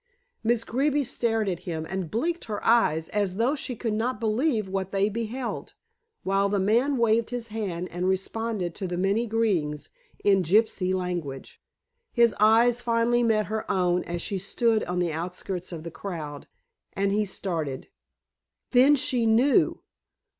Miss Greeby stared at him and blinked her eyes, as though she could not believe what they beheld, while the man waved his hand and responded to the many greetings in gypsy language. His eyes finally met her own as she stood on the outskirts of the crowd, and he started. Then she knew.